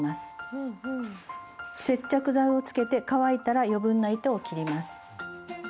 接着剤をつけて乾いたら余分な糸を切ります。